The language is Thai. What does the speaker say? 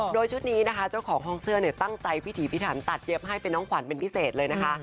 โดยชุดนี้นะคะเจ้าของห้องเสื้อเนี่ยตั้งใจพิถีพิถันตัดเย็บให้เป็นน้องขวัญเป็นพิเศษเลยนะคะ